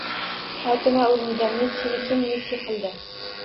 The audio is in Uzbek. Xotima o‘rnida – “Messini kim Messi qildi?”